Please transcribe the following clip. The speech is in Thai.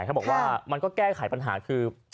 เขาบอกว่ามันก็แก้ไขปัญหาคือ